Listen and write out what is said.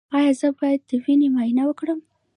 ایا زه باید د وینې معاینه وکړم؟